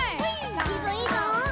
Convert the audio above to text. いいぞいいぞ！